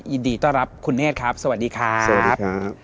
ยินดีต้อนรับคุณเนธครับสวัสดีครับ